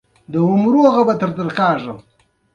ما ځان سره نوټونه هم کندوز ته يوړل.